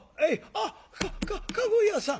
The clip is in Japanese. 「あっかっ駕籠屋さん！